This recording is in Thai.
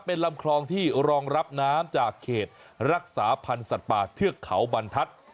เป็นลำคลองที่รองรับน้ำจากเขตรักษาพันธ์สัตว์ป่าเทือกเขาบรรทัศน์